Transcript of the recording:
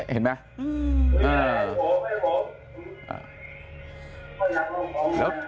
เห็นมั้ย